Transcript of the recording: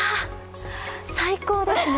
最高ですね！